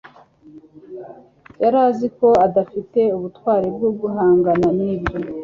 yari azi ko adafite ubutwari bwo guhangana nibyo